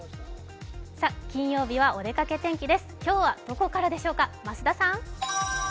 金曜日は「おでかけ天気」です今日はどこからでしょうか。